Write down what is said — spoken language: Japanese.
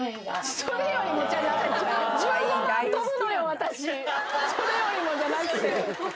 それよりもじゃないって。